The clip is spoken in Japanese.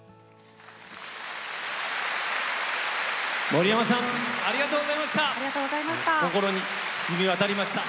森山さんありがとうございました。